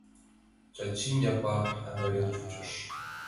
Чачим Япар авырен кучыш.